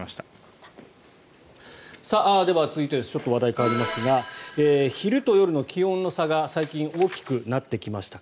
では続いてちょっと話題が変わりますが昼と夜の気温の差が最近大きくなってきました。